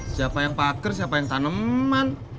siapa yang pagar siapa yang tanaman